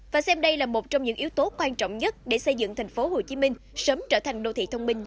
và xem đây là một trong những yếu tố quan trọng nhất để xây dựng tp hcm sớm trở thành đô thị thông minh